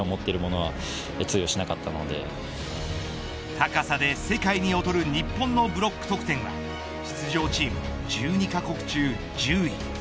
高さで世界に劣る日本のブロック得点は出場チーム１２カ国中１０位。